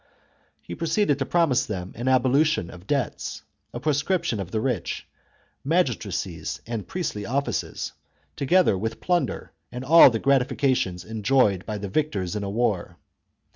He proceeded to promise them an abolition of debts, a proscription of the rich, magistracies and priestly offices, together with plunder, and all the gratifications enjoyed by the victors in a war.